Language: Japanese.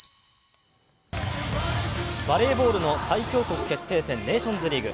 バレーボールの最強国決定戦ネーションズリーグ。